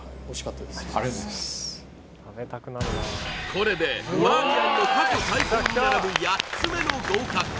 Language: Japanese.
これでバーミヤンの過去最高に並ぶ８つ目の合格